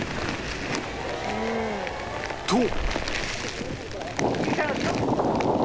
と！